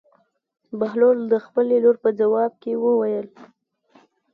بهلول د خپلې لور په ځواب کې وویل.